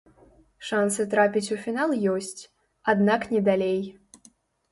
Шансы трапіць у фінал ёсць, аднак не далей.